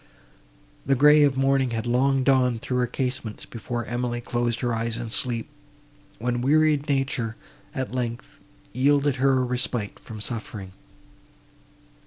The grey of morning had long dawned through her casements, before Emily closed her eyes in sleep; when wearied nature, at length, yielded her a respite from suffering.